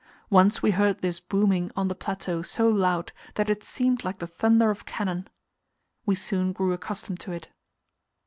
Once we heard this booming on the plateau so loud that it seemed like the thunder of cannon. We soon grew accustomed to it.